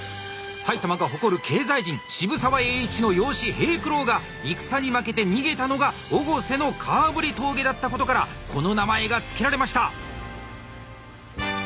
埼玉が誇る経済人渋沢栄一の養子平九郎が戦に負けて逃げたのが越生のかあぶり峠だったことからこの名前が付けられました。